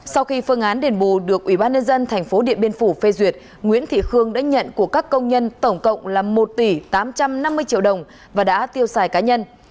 sau khi phương án đền bù được ubnd tp điện biên phủ phê duyệt nguyễn thị khương đã nhận của các công nhân tổng cộng là một tỷ tám trăm năm mươi triệu đồng và đã tiêu xài cá nhân